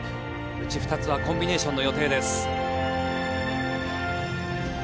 うち２つはコンビネーションの予定です。